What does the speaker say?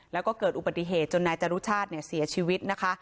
แล้วก็เกิดอุบัติเหตุจนนายจรุชาติเสียชีวิตนะคะ